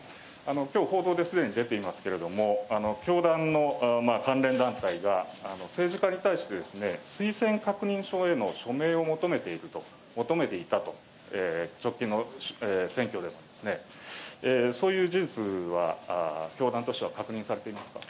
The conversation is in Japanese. きょう報道ですでに出ていますけれども、教団の関連団体が、政治家に対して、推薦確認書への署名を求めていると、求めていたと、直近の選挙でも、そういう事実は教団としては確認されていますか。